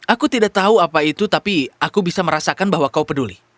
aku tidak tahu apa itu tapi aku bisa merasakan bahwa kau peduli